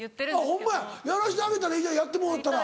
ホンマややらしてあげたらいいじゃんやってもろうたら。